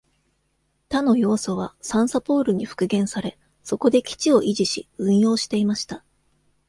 他の要素はサンサポールに復元され、そこで基地を維持し、運用していました。